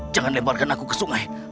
jangan lemparkan aku ke sungai